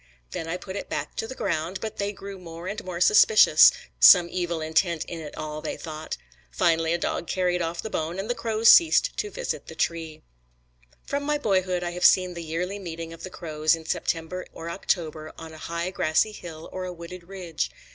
Then I put it back to the ground, but they grew more and more suspicious; some evil intent in it all, they thought. Finally a dog carried off the bone, and the crows ceased to visit the tree. From my boyhood I have seen the yearly meeting of the crows in September or October, on a high grassy hill or a wooded ridge.